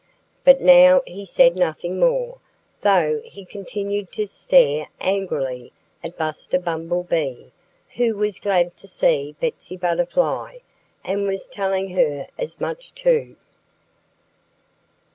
But now he said nothing more, though he continued to stare angrily at Buster Bumblebee, who was glad to see Betsy Butterfly, and was telling her as much, too.